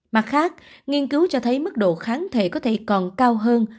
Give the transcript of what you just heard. mặt khác nghiên cứu cho thấy mức độ kháng thể có thể còn cao hơn